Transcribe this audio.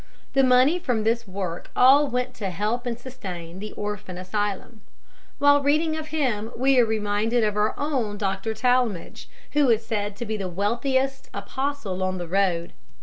The money from this work all went to help and sustain the orphan asylum. While reading of him we are reminded of our own Dr. Talmage, who is said to be the wealthiest apostle on the road.